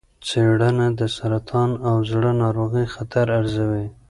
څېړنه د سرطان او زړه ناروغۍ خطر ارزوي.